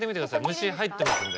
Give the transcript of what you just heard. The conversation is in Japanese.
虫入ってますんで。